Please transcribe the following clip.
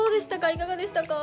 いかがでしたか？